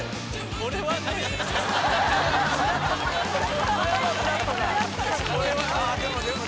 これはね。